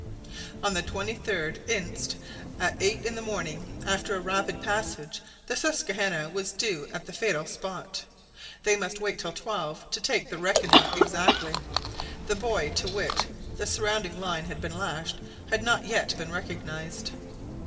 On the 23rd inst., at eight in the morning, after a rapid passage, the Susquehanna was due at the fatal spot. They must wait till twelve to take the reckoning exactly. The buoy to which the sounding line had been lashed had not yet been recognized.